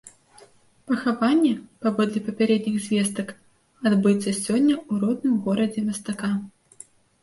Пахаванне, паводле папярэдніх звестак, адбудзецца сёння ў родным горадзе мастака.